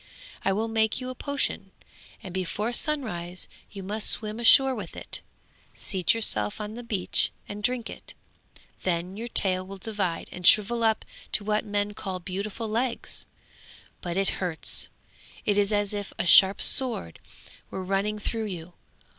I will make you a potion, and before sunrise you must swim ashore with it, seat yourself on the beach and drink it; then your tail will divide and shrivel up to what men call beautiful legs. But it hurts; it is as if a sharp sword were running through you.